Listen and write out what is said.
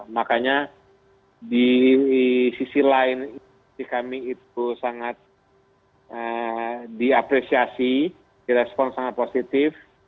makanya di sisi lain di kami itu sangat diapresiasi di respon sangat positif